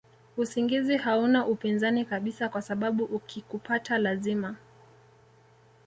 usingizi hauna upinzani kabisa kwasababu ukikupata lazima